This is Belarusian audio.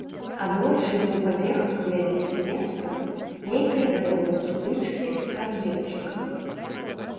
Аднойчы ён пабег глядзець месца нейкай баявой сутычкі разведчыкаў.